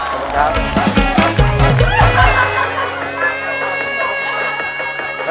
ขอบคุณครับ